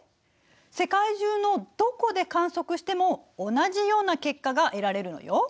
世界中のどこで観測しても同じような結果が得られるのよ？